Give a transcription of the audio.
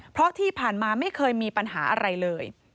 เพราะที่ผ่านมาไม่เคยมีปัญหาอะไรเลย